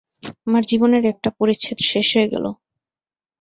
আমার জীবনের একটা পরিচ্ছেদ শেষ হয়ে গেল।